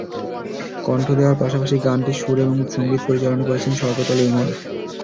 কণ্ঠ দেওয়ার পাশাপাশি গানটির সুর এবং সংগীত পরিচালনা করেছেন শওকত আলী ইমন।